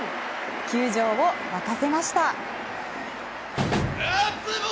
球場を沸かせました。